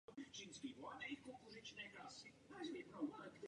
Byl zavlečen i do Severní Ameriky.